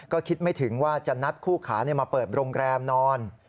ก็คิดไม่ถึงว่าจะนัดคู่ขามาเปิดโรงแรมนอน